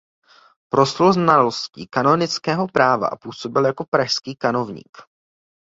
Proslul znalostí kanonického práva a působil jako pražský kanovník.